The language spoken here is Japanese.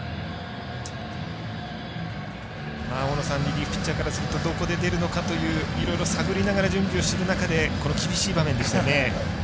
リリーフピッチャーからするとどこで出るのかいろいろ探りながら準備をする中でこの厳しい場面でしたね。